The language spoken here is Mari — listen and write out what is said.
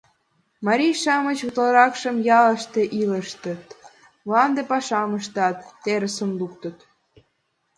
— Марий-шамыч утларакшым ялыште илыштыт, мланде пашам ыштат, терысым луктыт.